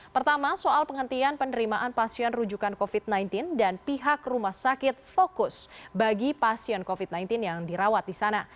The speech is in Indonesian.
pertama soal penghentian penerimaan pasien rujukan covid sembilan belas dan pihak rumah sakit fokus bagi pasien covid sembilan belas yang dirawat di sana